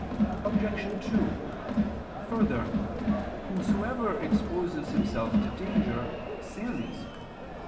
Obj. 2: Further, whosoever exposes himself to danger sins.